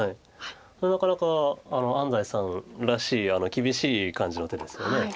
これはなかなか安斎さんらしい厳しい感じの手ですよね。